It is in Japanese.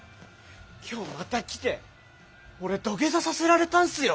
今日また来て俺土下座させられたんすよ！